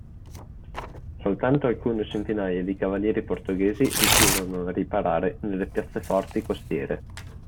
Soltanto alcune centinaia di cavalieri portoghesi riuscirono a riparare nelle piazzeforti costiere.